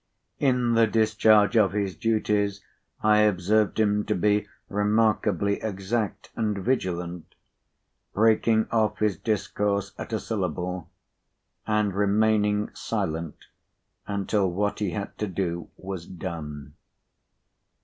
In the discharge of his duties I observed him to be remarkably exact and vigilant, breaking off his discourse at a syllable, and remaining silent until what he had to do was done.